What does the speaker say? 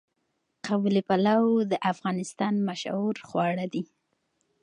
قابلي پلو د افغانستان مشهور خواړه دي.